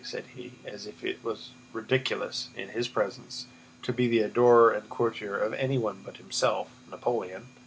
said he, as if it was ridiculous, in his presence, to be the adorer and courtier of anyone but himself, Napoleon.